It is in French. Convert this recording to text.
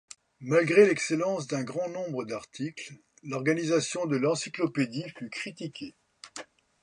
Malgré l'excellence d'un grand nombre d'articles, l'organisation de l'encyclopédie fut critiquée.